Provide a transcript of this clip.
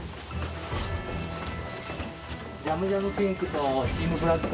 ジャムジャムピンクとチームブラックの方。